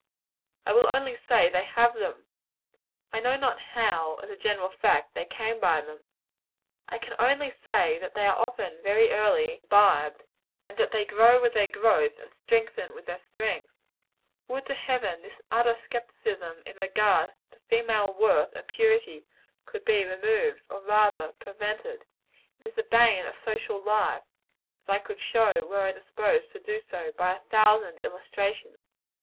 I will only say they have them. I know not how, as a general fact, they came by them. I can only say that they are often very early imbibed; and that they grow with their growth, and strengthen with their strength. Would to Heaven this utter skepticism in regard to female worth and purity could be removed; or rather prevented. It is the bane of social life as I could show, were I disposed to do so, by a thousand illustrations.